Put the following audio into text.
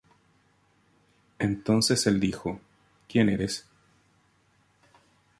Entonces él dijo: ¿Quién eres?